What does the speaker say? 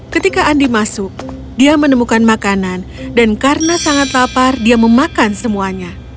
ketika andi masuk dia menemukan makanan dan karena sangat lapar dia memakan semuanya